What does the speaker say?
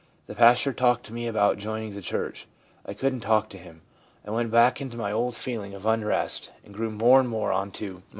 The pastor talked to me about joining the church — I couldn't talk to him. I went back into my old feeling of unrest, and grew more and more into 1 Colin Scott, op.